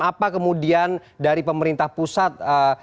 apa kemudian dari pemerintah pusat